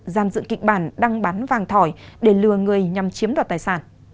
giam dự kịch bản đăng bán vàng thỏi để lừa người nhằm chiếm đoạt tài sản